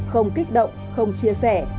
không kích động không chia sẻ